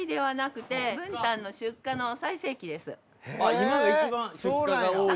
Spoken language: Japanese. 今が一番出荷が多い？